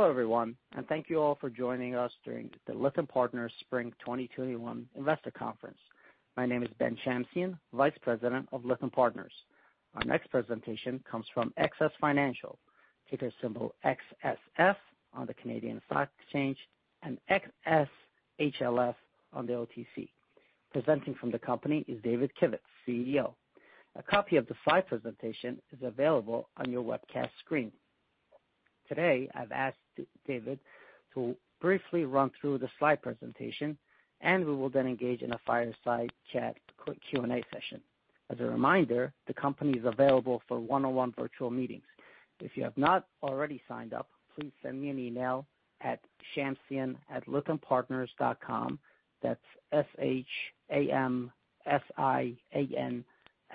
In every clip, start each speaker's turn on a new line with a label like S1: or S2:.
S1: Hello, eveyone. Thank you all for joining us during the Lytham Partners Spring 2021 Investor Conference. My name is Ben Shamsian, Vice President of Lytham Partners. Our next presentation comes from XS Financial, ticker symbol XSF on the Canadian Securities Exchange and XSHLF on the OTC. Presenting from the company is David Kivitz, CEO. A copy of the slide presentation is available on your webcast screen. Today, I've asked David to briefly run through the slide presentation. We will then engage in a fireside chat Q&A session. As a reminder, the company is available for one-on-one virtual meetings. If you have not already signed up, please send me an email at shamsian@lythampartners.com. That's S-H-A-M-S-I-A-N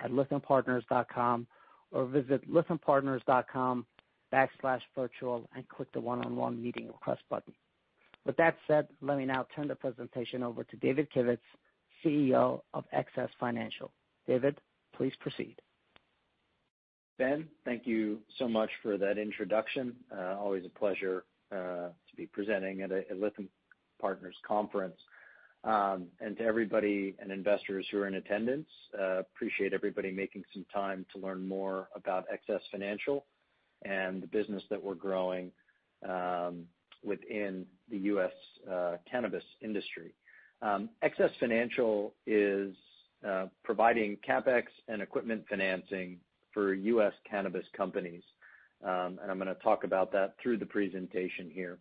S1: @lythampartners.com or visit lythampartners.com/virtual and click the One-on-one Meeting Request button. With that said, let me now turn the presentation over to David Kivitz, CEO of XS Financial. David, please proceed.
S2: Ben, thank you so much for that introduction. Always a pleasure to be presenting at a Lytham Partners conference. To everybody and investors who are in attendance, appreciate everybody making some time to learn more about XS Financial and the business that we're growing within the U.S. cannabis industry. XS Financial is providing CapEx and equipment financing for U.S. cannabis companies. I'm going to talk about that through the presentation here.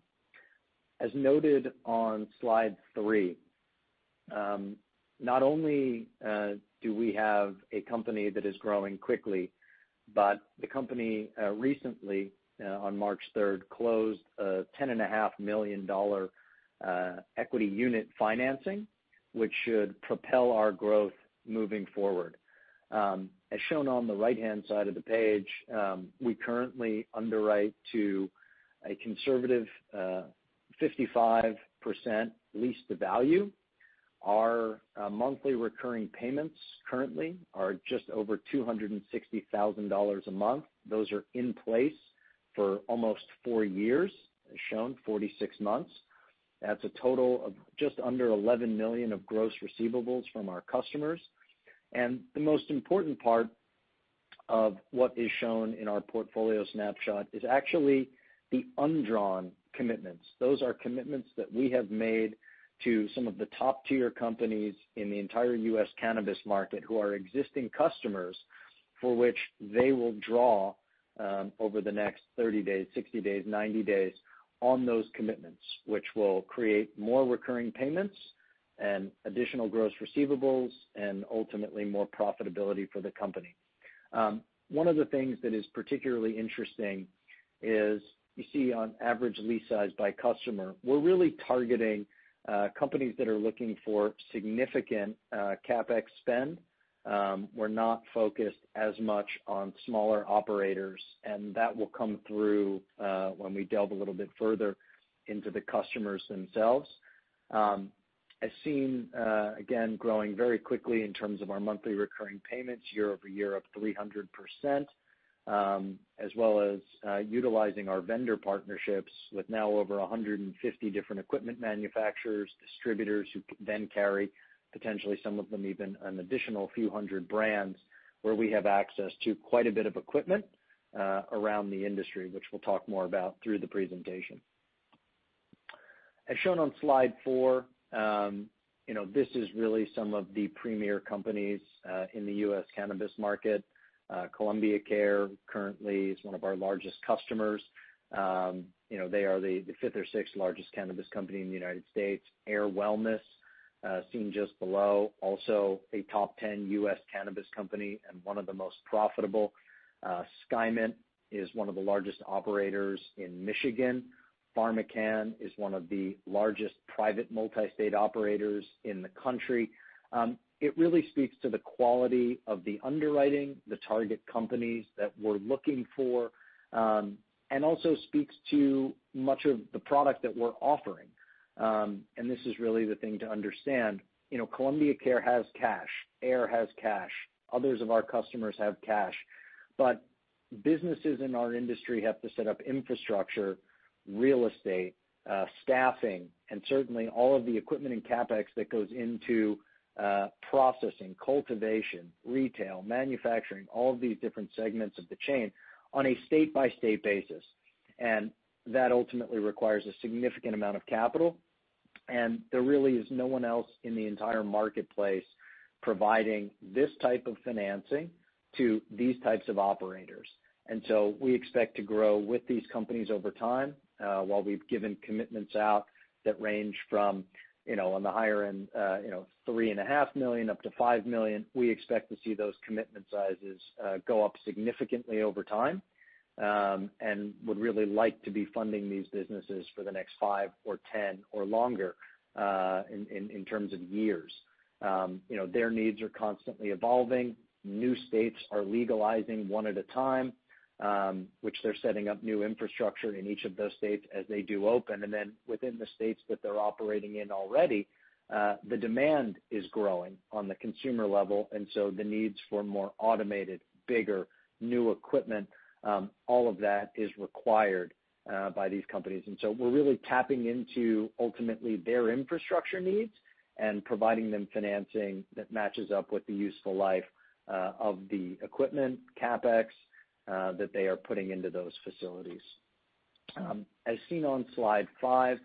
S2: As noted on Slide 3, not only do we have a company that is growing quickly, but the company recently, on March 3rd, closed a 10.5 million dollar equity unit financing, which should propel our growth moving forward. As shown on the right-hand side of the page, we currently underwrite to a conservative 55% lease-to-value. Our monthly recurring payments currently are just over 260,000 dollars a month. Those are in place for almost four years, as shown, 46 months. That's a total of just under 11 million of gross receivables from our customers. The most important part of what is shown in our portfolio snapshot is actually the undrawn commitments. Those are commitments that we have made to some of the top-tier companies in the entire U.S. cannabis market who are existing customers, for which they will draw over the next 30 days, 60 days, 90 days on those commitments. Which will create more recurring payments and additional gross receivables, and ultimately more profitability for the company. One of the things that is particularly interesting is you see on average lease size by customer. We're really targeting companies that are looking for significant CapEx spend. We're not focused as much on smaller operators, and that will come through when we delve a little bit further into the customers themselves. As seen, again, growing very quickly in terms of our monthly recurring payments year-over-year, up 300%, as well as utilizing our vendor partnerships with now over 150 different equipment manufacturers, distributors who then carry, potentially some of them even an additional few hundred brands, where we have access to quite a bit of equipment around the industry, which we'll talk more about through the presentation. As shown on Slide 4, this is really some of the premier companies in the U.S. cannabis market. Columbia Care currently is one of our largest customers. They are the fifth or sixth largest cannabis company in the United States. Ayr Wellness, seen just below, also a top 10 U.S. cannabis company and one of the most profitable. SKYMINT is one of the largest operators in Michigan. PharmaCann is one of the largest private multi-state operators in the country. It really speaks to the quality of the underwriting, the target companies that we're looking for, and also speaks to much of the product that we're offering. This is really the thing to understand. Columbia Care has cash. Ayr has cash. Others of our customers have cash. Businesses in our industry have to set up infrastructure, real estate, staffing, and certainly all of the equipment and CapEx that goes into processing, cultivation, retail, manufacturing, all of these different segments of the chain on a state-by-state basis. That ultimately requires a significant amount of capital. There really is no one else in the entire marketplace providing this type of financing to these types of operators. We expect to grow with these companies over time. While we've given commitments out that range from, on the higher end, 3.5 million up to 5 million, we expect to see those commitment sizes go up significantly over time, and would really like to be funding these businesses for the next five or 10 or longer in terms of years. Their needs are constantly evolving. New states are legalizing one at a time, which they're setting up new infrastructure in each of those states as they do open. Within the states that they're operating in already, the demand is growing on the consumer level, and so the needs for more automated, bigger new equipment, all of that is required by these companies. We're really tapping into, ultimately, their infrastructure needs and providing them financing that matches up with the useful life of the equipment CapEx that they are putting into those facilities. As seen on Slide 5,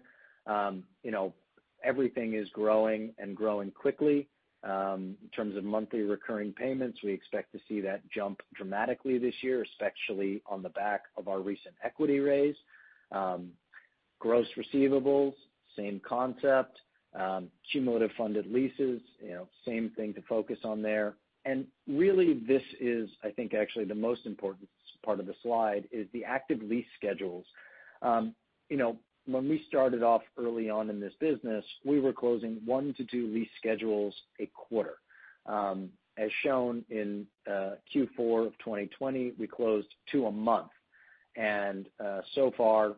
S2: everything is growing and growing quickly. In terms of monthly recurring payments, we expect to see that jump dramatically this year, especially on the back of our recent equity raise. Gross receivables, same concept. Cumulative funded leases, same thing to focus on there. Really, this is, I think, actually the most important part of the slide, is the active lease schedules. When we started off early on in this business, we were closing one to two lease schedules a quarter. As shown in Q4 of 2020, we closed two a month. So far,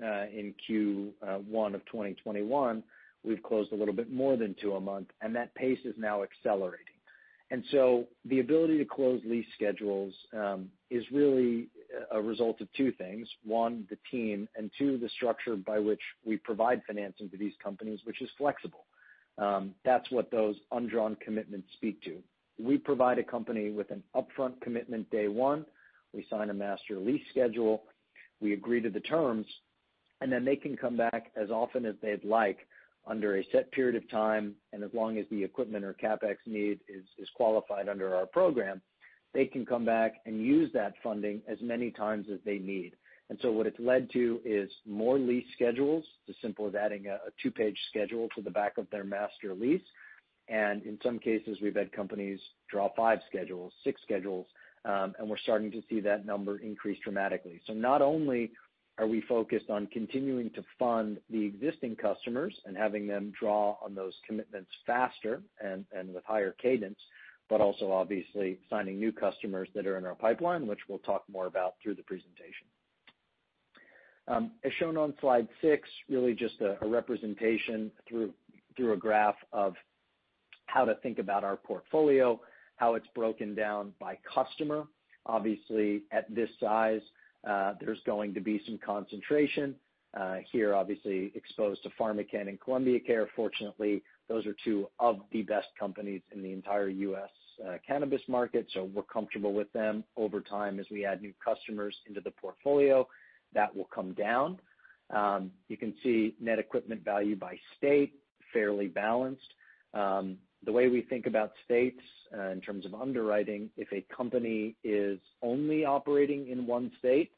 S2: in Q1 of 2021, we've closed a little bit more than two a month, and that pace is now accelerating. The ability to close lease schedules is really a result of two things. One, the team, and two, the structure by which we provide financing to these companies, which is flexible. That's what those undrawn commitments speak to. We provide a company with an upfront commitment day one, we sign a master lease schedule, we agree to the terms, and then they can come back as often as they'd like under a set period of time, and as long as the equipment or CapEx need is qualified under our program, they can come back and use that funding as many times as they need. What it's led to is more lease schedules. It's as simple as adding a two-page schedule to the back of their master lease. In some cases, we've had companies draw five schedules, six schedules, and we're starting to see that number increase dramatically. Not only are we focused on continuing to fund the existing customers and having them draw on those commitments faster and with higher cadence, but also obviously signing new customers that are in our pipeline, which we'll talk more about through the presentation. As shown on Slide 6, really just a representation through a graph of how to think about our portfolio, how it's broken down by customer. Obviously, at this size, there's going to be some concentration. Here, obviously exposed to PharmaCann and Columbia Care. Fortunately, those are two of the best companies in the entire U.S. cannabis market, so we're comfortable with them. Over time, as we add new customers into the portfolio, that will come down. You can see net equipment value by state, fairly balanced. The way we think about states in terms of underwriting, if a company is only operating in one state,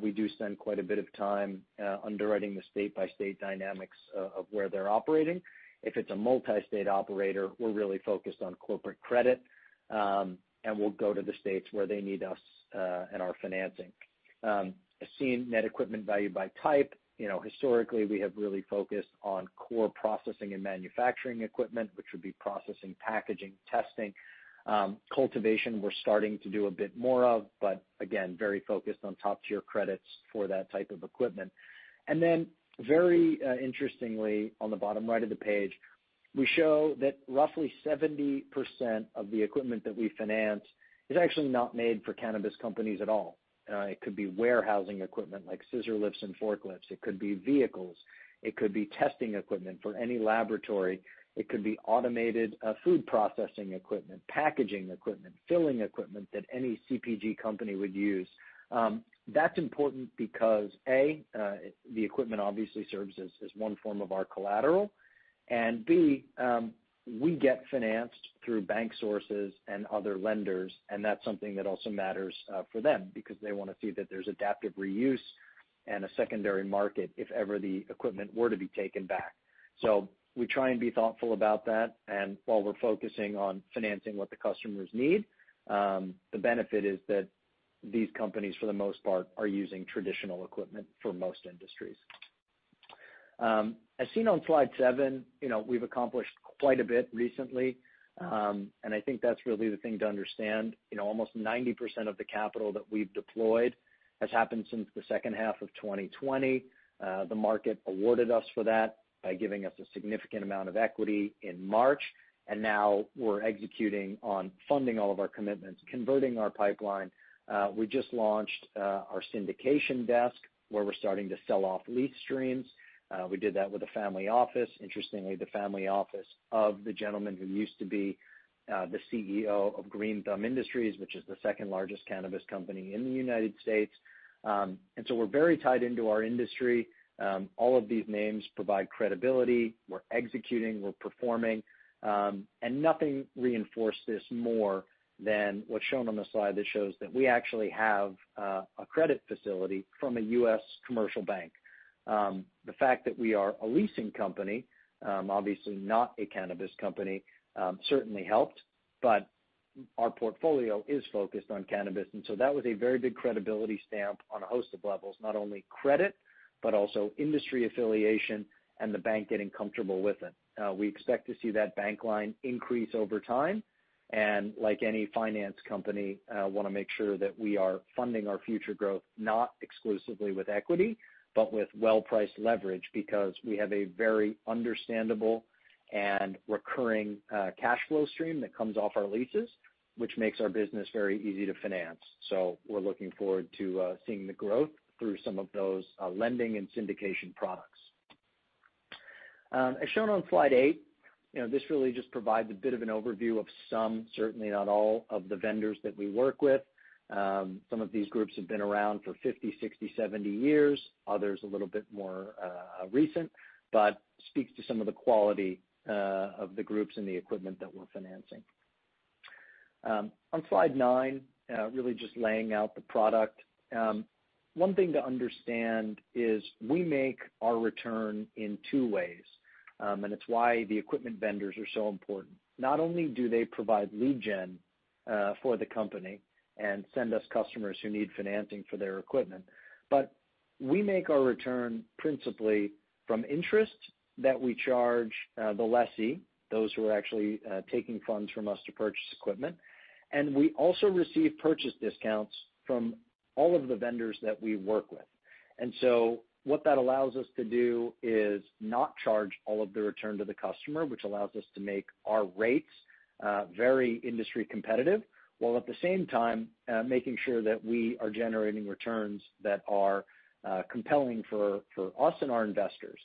S2: we do spend quite a bit of time underwriting the state-by-state dynamics of where they're operating. If it's a multi-state operator, we're really focused on corporate credit, and we'll go to the states where they need us and our financing. As seen, net equipment value by type. Historically, we have really focused on core processing and manufacturing equipment, which would be processing, packaging, testing. Cultivation, we're starting to do a bit more of, but again, very focused on top-tier credits for that type of equipment. Very interestingly, on the bottom right of the page, we show that roughly 70% of the equipment that we finance is actually not made for cannabis companies at all. It could be warehousing equipment like scissor lifts and forklifts. It could be vehicles. It could be testing equipment for any laboratory. It could be automated food processing equipment, packaging equipment, filling equipment that any CPG company would use. That's important because, A, the equipment obviously serves as one form of our collateral, and B, we get financed through bank sources and other lenders, and that's something that also matters for them because they want to see that there's adaptive reuse and a secondary market if ever the equipment were to be taken back. We try and be thoughtful about that, and while we're focusing on financing what the customers need, the benefit is that these companies, for the most part, are using traditional equipment for most industries. As seen on Slide 7, we've accomplished quite a bit recently, and I think that's really the thing to understand. Almost 90% of the capital that we've deployed has happened since the second half of 2020. The market awarded us for that by giving us a significant amount of equity in March. Now we're executing on funding all of our commitments, converting our pipeline. We just launched our syndication desk, where we're starting to sell off lease streams. We did that with a family office. Interestingly, the family office of the gentleman who used to be the CEO of Green Thumb Industries, which is the second-largest cannabis company in the U.S. We're very tied into our industry. All of these names provide credibility. We're executing, we're performing. Nothing reinforced this more than what's shown on the slide that shows that we actually have a credit facility from a U.S. commercial bank. The fact that we are a leasing company, obviously not a cannabis company, certainly helped. Our portfolio is focused on cannabis, that was a very big credibility stamp on a host of levels, not only credit, but also industry affiliation and the bank getting comfortable with it. We expect to see that bank line increase over time. Like any finance company, want to make sure that we are funding our future growth, not exclusively with equity, but with well-priced leverage, because we have a very understandable and recurring cash flow stream that comes off our leases, which makes our business very easy to finance. We're looking forward to seeing the growth through some of those lending and syndication products. As shown on Slide 8, this really just provides a bit of an overview of some, certainly not all, of the vendors that we work with. Some of these groups have been around for 50, 60, 70 years, others a little bit more recent, but speaks to some of the quality of the groups and the equipment that we're financing. On Slide 9, really just laying out the product. One thing to understand is we make our return in two ways, and it's why the equipment vendors are so important. Not only do they provide lead gen for the company and send us customers who need financing for their equipment, but we make our return principally from interest that we charge the lessee, those who are actually taking funds from us to purchase equipment. We also receive purchase discounts from all of the vendors that we work with. What that allows us to do is not charge all of the return to the customer, which allows us to make our rates very industry competitive, while at the same time, making sure that we are generating returns that are compelling for us and our investors.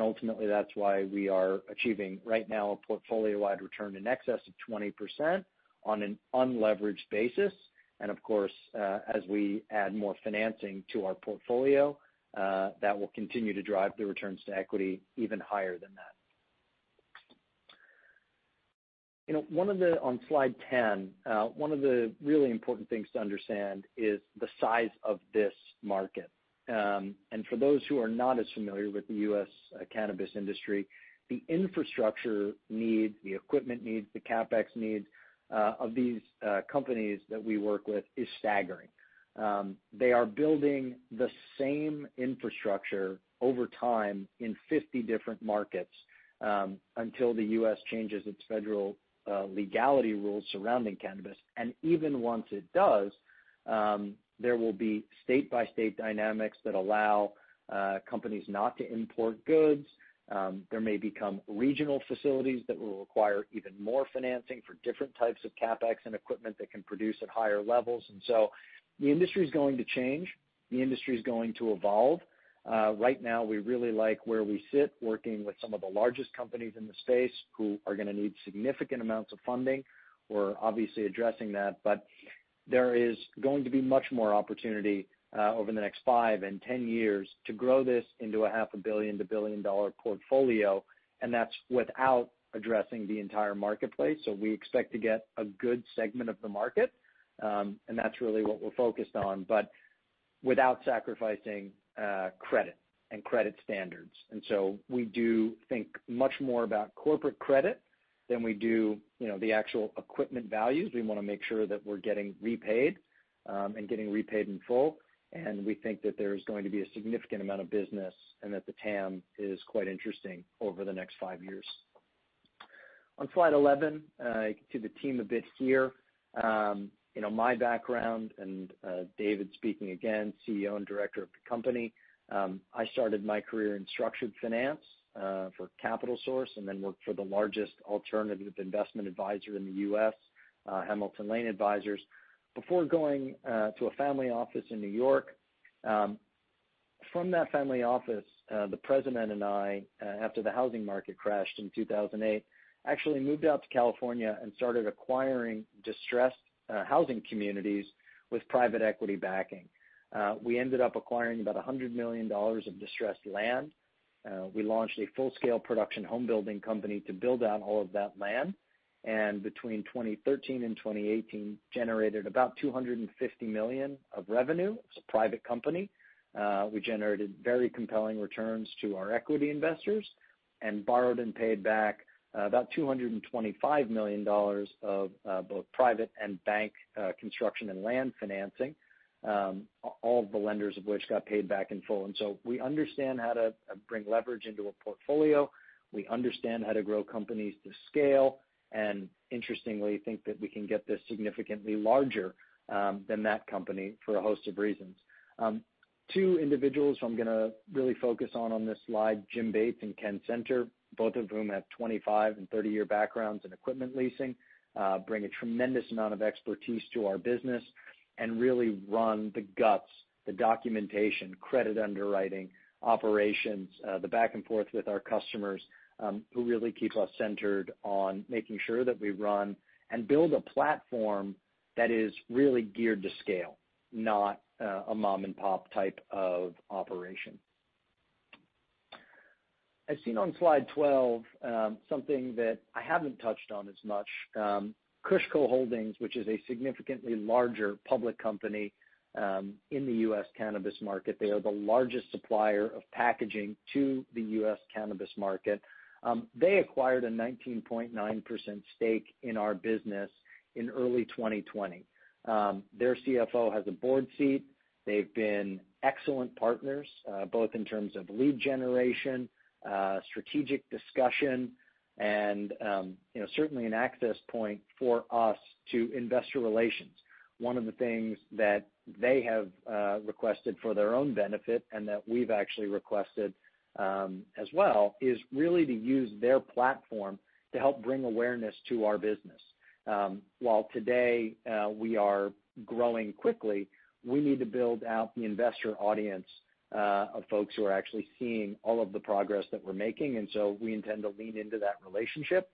S2: Ultimately, that's why we are achieving right now a portfolio-wide return in excess of 20% on an unleveraged basis. Of course, as we add more financing to our portfolio, that will continue to drive the returns to equity even higher than that. On Slide 10, one of the really important things to understand is the size of this market. For those who are not as familiar with the U.S. cannabis industry, the infrastructure needs, the equipment needs, the CapEx needs of these companies that we work with is staggering. They are building the same infrastructure over time in 50 different markets, until the U.S. changes its federal legality rules surrounding cannabis. Even once it does, there will be state-by-state dynamics that allow companies not to import goods. There may become regional facilities that will require even more financing for different types of CapEx and equipment that can produce at higher levels. The industry's going to change. The industry's going to evolve. Right now, we really like where we sit, working with some of the largest companies in the space who are going to need significant amounts of funding. We're obviously addressing that. There is going to be much more opportunity over the next five and 10 years to grow this into a half a billion to billion-dollar portfolio, and that's without addressing the entire marketplace. We expect to get a good segment of the market, and that's really what we're focused on, but without sacrificing credit and credit standards. We do think much more about corporate credit than we do the actual equipment values. We want to make sure that we're getting repaid and getting repaid in full. We think that there's going to be a significant amount of business and that the TAM is quite interesting over the next five years. On Slide 11, you can see the team a bit here. My background and David speaking again, CEO and Director of the company. I started my career in structured finance, for CapitalSource, and then worked for the largest alternative investment advisor in the U.S., Hamilton Lane Advisors, before going to a family office in New York. From that family office, the president and I, after the housing market crashed in 2008, actually moved out to California and started acquiring distressed housing communities with private equity backing. We ended up acquiring about 100 million dollars of distressed land. We launched a full-scale production home building company to build out all of that land. Between 2013 and 2018, generated about 250 million of revenue as a private company. We generated very compelling returns to our equity investors and borrowed and paid back about 225 million dollars of both private and bank construction and land financing. All of the lenders of which got paid back in full. So we understand how to bring leverage into a portfolio. We understand how to grow companies to scale. Interestingly, think that we can get this significantly larger than that company for a host of reasons. Two individuals who I'm going to really focus on this slide, Jim Bates and Ken Senter, both of whom have 25 and 30-year backgrounds in equipment leasing, bring a tremendous amount of expertise to our business and really run the guts, the documentation, credit underwriting, operations, the back and forth with our customers, who really keep us centered on making sure that we run and build a platform that is really geared to scale, not a mom-and-pop type of operation. As seen on Slide 12, something that I haven't touched on as much. KushCo Holdings, which is a significantly larger public company, in the U.S. cannabis market. They are the largest supplier of packaging to the U.S. cannabis market. They acquired a 19.9% stake in our business in early 2020. Their CFO has a board seat. They've been excellent partners, both in terms of lead generation, strategic discussion, and certainly an access point for us to investor relations. One of the things that they have requested for their own benefit, and that we've actually requested as well, is really to use their platform to help bring awareness to our business. While today we are growing quickly, we need to build out the investor audience of folks who are actually seeing all of the progress that we're making. We intend to lean into that relationship.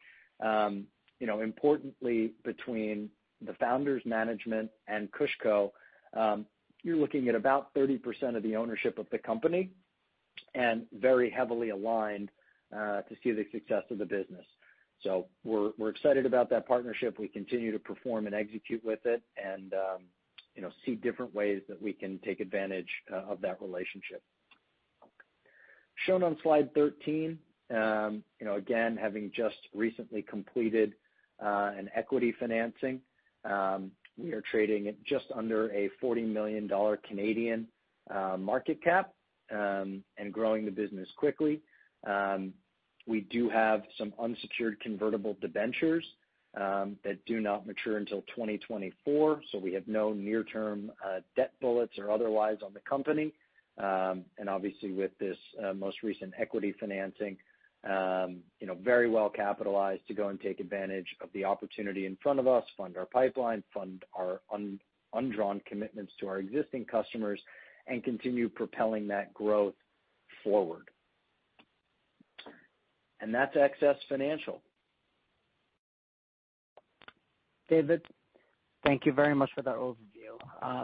S2: Importantly, between the founders management and KushCo, you're looking at about 30% of the ownership of the company, and very heavily aligned to see the success of the business. We're excited about that partnership. We continue to perform and execute with it and see different ways that we can take advantage of that relationship. Shown on Slide 13, again, having just recently completed an equity financing, we are trading at just under a 40 million Canadian dollars market cap and growing the business quickly. We do have some unsecured convertible debentures that do not mature until 2024, so we have no near-term debt bullets or otherwise on the company. Obviously with this most recent equity financing, very well capitalized to go and take advantage of the opportunity in front of us, fund our pipeline, fund our undrawn commitments to our existing customers, and continue propelling that growth forward. That's XS Financial.
S1: David, thank you very much for that overview.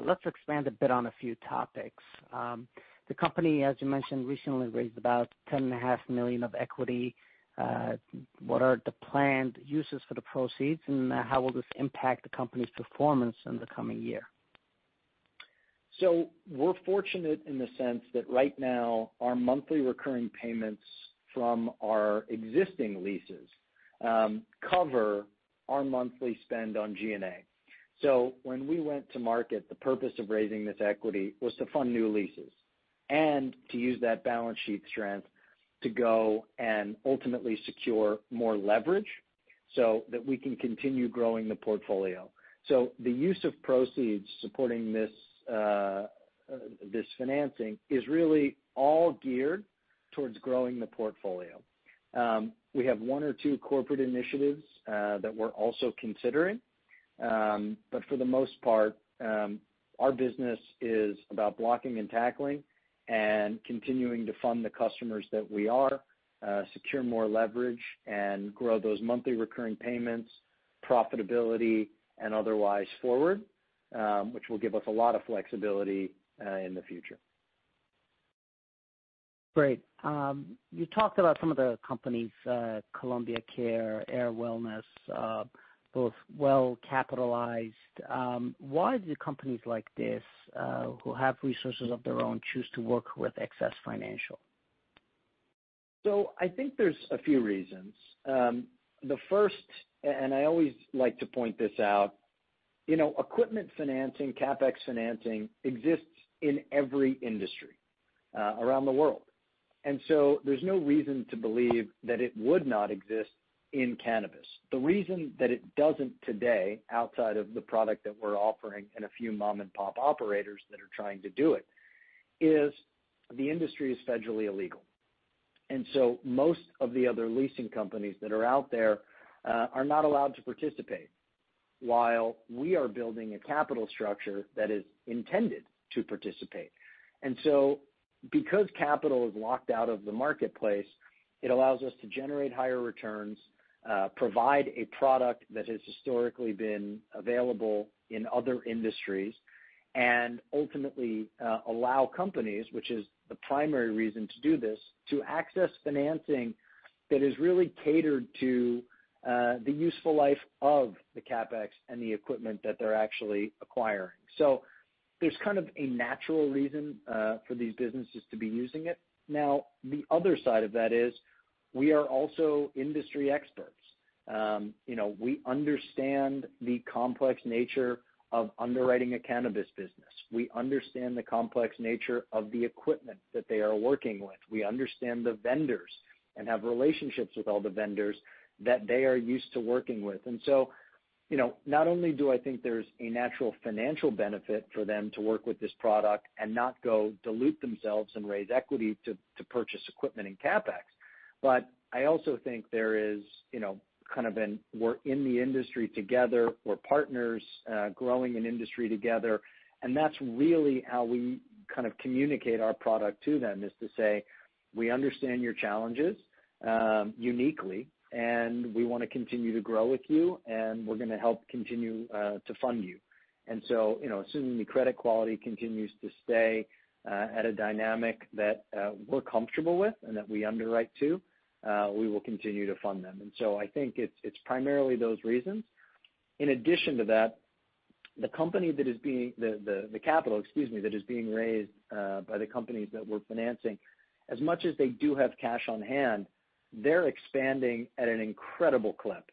S1: Let's expand a bit on a few topics. The company, as you mentioned, recently raised about 10.5 million of equity. What are the planned uses for the proceeds, and how will this impact the company's performance in the coming year?
S2: We're fortunate in the sense that right now our monthly recurring payments from our existing leases cover our monthly spend on G&A. When we went to market, the purpose of raising this equity was to fund new leases and to use that balance sheet strength to go and ultimately secure more leverage so that we can continue growing the portfolio. The use of proceeds supporting this financing is really all geared towards growing the portfolio. We have one or two corporate initiatives that we're also considering. For the most part, our business is about blocking and tackling and continuing to fund the customers that we are, secure more leverage, and grow those monthly recurring payments, profitability, and otherwise forward, which will give us a lot of flexibility in the future.
S1: Great. You talked about some of the companies, Columbia Care, Ayr Wellness, both well capitalized. Why do companies like this, who have resources of their own, choose to work with XS Financial?
S2: I think there's a few reasons. The first, and I always like to point this out. Equipment financing, CapEx financing exists in every industry around the world, and so there's no reason to believe that it would not exist in cannabis. The reason that it doesn't today, outside of the product that we're offering and a few mom-and-pop operators that are trying to do it, is the industry is federally illegal. Most of the other leasing companies that are out there are not allowed to participate while we are building a capital structure that is intended to participate. Because capital is locked out of the marketplace, it allows us to generate higher returns, provide a product that has historically been available in other industries, and ultimately allow companies, which is the primary reason to do this, to access financing that is really catered to the useful life of the CapEx and the equipment that they're actually acquiring. There's a natural reason for these businesses to be using it. The other side of that is we are also industry experts. We understand the complex nature of underwriting a cannabis business. We understand the complex nature of the equipment that they are working with. We understand the vendors and have relationships with all the vendors that they are used to working with. Not only do I think there's a natural financial benefit for them to work with this product and not go dilute themselves and raise equity to purchase equipment and CapEx, but I also think we're in the industry together. We're partners growing an industry together, and that's really how we communicate our product to them, is to say, "We understand your challenges uniquely, and we want to continue to grow with you, and we're going to help continue to fund you." Assuming the credit quality continues to stay at a dynamic that we're comfortable with and that we underwrite to, we will continue to fund them. I think it's primarily those reasons. In addition to that, the capital that is being raised by the companies that we're financing, as much as they do have cash on hand, they're expanding at an incredible clip.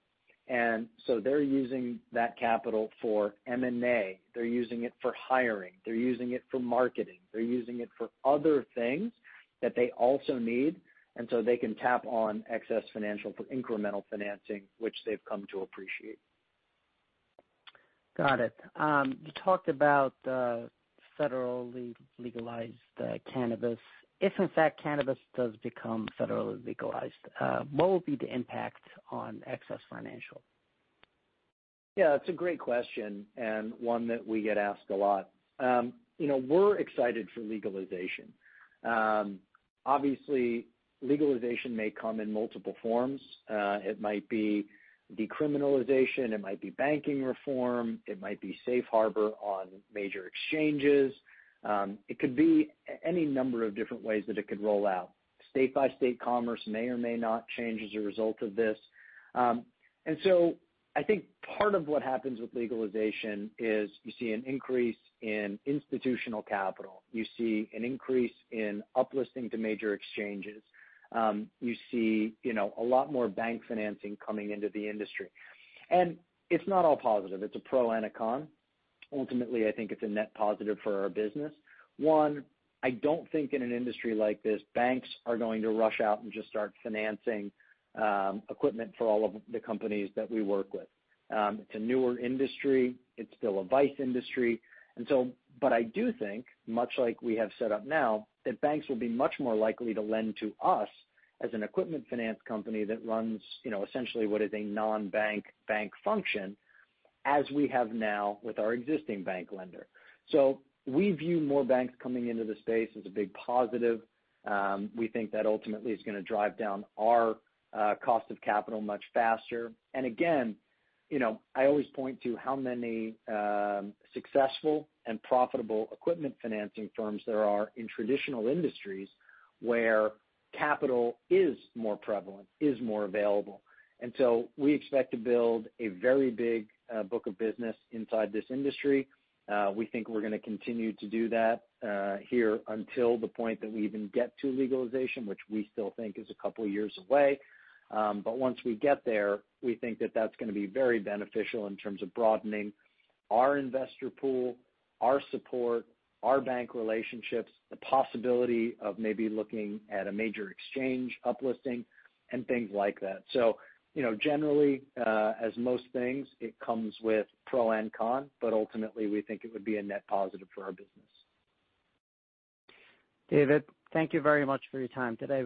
S2: They're using that capital for M&A. They're using it for hiring, they're using it for marketing, they're using it for other things that they also need, they can tap on XS Financial for incremental financing, which they've come to appreciate.
S1: Got it. You talked about federally legalized cannabis. If, in fact, cannabis does become federally legalized, what will be the impact on XS Financial?
S2: Yes, it's a great question, and one that we get asked a lot. We're excited for legalization. Obviously, legalization may come in multiple forms. It might be decriminalization, it might be banking reform, it might be safe harbor on major exchanges. It could be any number of different ways that it could roll out. State-by-state commerce may or may not change as a result of this. I think part of what happens with legalization is you see an increase in institutional capital. You see an increase in up-listing to major exchanges. You see a lot more bank financing coming into the industry. It's not all positive. It's a pro and a con. Ultimately, I think it's a net positive for our business. One, I don't think in an industry like this, banks are going to rush out and just start financing equipment for all of the companies that we work with. It's a newer industry. It's still a vice industry. I do think, much like we have set up now, that banks will be much more likely to lend to us as an equipment finance company that runs essentially what is a non-bank bank function, as we have now with our existing bank lender. We view more banks coming into the space as a big positive. We think that ultimately is going to drive down our cost of capital much faster. Again, I always point to how many successful and profitable equipment financing firms there are in traditional industries where capital is more prevalent, is more available. We expect to build a very big book of business inside this industry. We think we're going to continue to do that here until the point that we even get to legalization, which we still think is a couple of years away. Once we get there, we think that that's going to be very beneficial in terms of broadening our investor pool, our support, our bank relationships, the possibility of maybe looking at a major exchange up-listing and things like that. Generally, as most things, it comes with pro and con, but ultimately, we think it would be a net positive for our business.
S1: David, thank you very much for your time today.